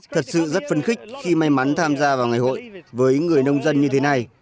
thật sự rất phân khích khi may mắn tham gia vào ngày hội với người nông dân như thế này